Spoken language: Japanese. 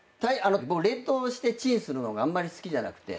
僕冷凍してチンするのがあんまり好きじゃなくて。